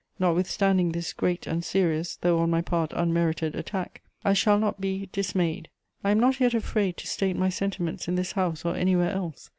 Notwithstanding this great and serious, though on my part unmerited, attack.... I shall not be dismayed; I am not yet afraid to state my sentiments in this House or anywhere else....